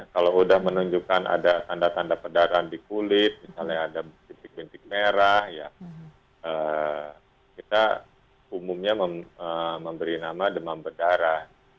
kalau sudah menunjukkan ada tanda tanda pedaraan di kulit misalnya ada titik titik merah ya kita umumnya memberi nama demam berdarah